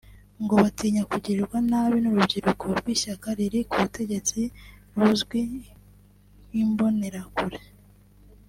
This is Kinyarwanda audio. ngo batinya kugirirwa nabi n’urubyiruko rw’ishyaka riri ku butegetsi ruzwi nk’Imbonerakure